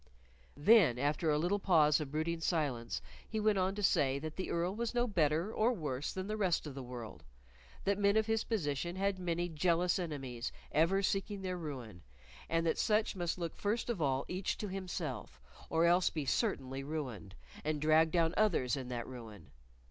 Then, after a little pause of brooding silence, he went on to say that the Earl was no better or worse than the rest of the world. That men of his position had many jealous enemies, ever seeking their ruin, and that such must look first of all each to himself, or else be certainly ruined, and drag down others in that ruin.